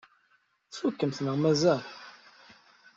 Tfukkemt neɣ mazal?